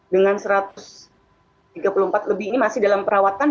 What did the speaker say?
dengan satu ratus tiga puluh empat lebih ini masih dalam perawatan